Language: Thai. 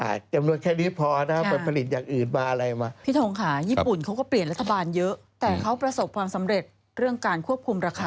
อ่ะจำนวนแค่นี้พอนะครับ